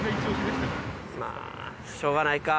まぁしょうがないか。